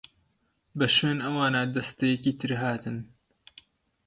بە شوێن ئەوانا دەستەیەکی تر هاتن.